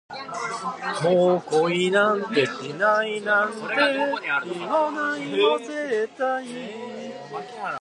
もう恋なんてしないなんて、言わないよ絶対